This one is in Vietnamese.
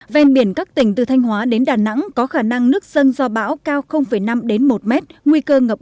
ven biển các tỉnh từ thanh hóa đến đà nẵng có khả năng nước dân do bão cao năm một m nguy cơ ngập